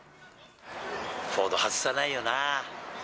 フォード外さないよな。